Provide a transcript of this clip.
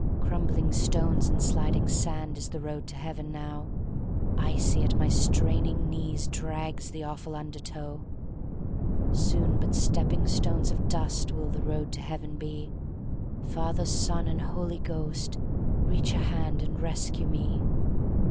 Crumbling stones and sliding sand Is the road to Heaven now; Icy at my straining knees Drags the awful under tow; Soon but stepping stones of dust Will the road to Heaven be, Father, Son and Holy Ghost, Reach a hand and rescue me!